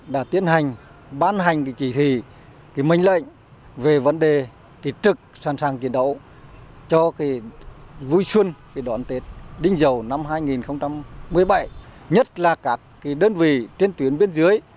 đến dầu năm hai nghìn một mươi bảy nhất là các đơn vị trên tuyến bên dưới